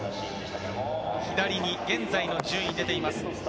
左に現在の順位が出ています。